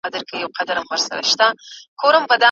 ما غوښتل چې د جمعې په ورځ د لمر ختو ننداره وکړم.